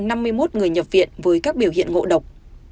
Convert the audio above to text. người nhập viện với các biểu hiện ngộ độc